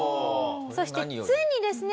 そしてついにですね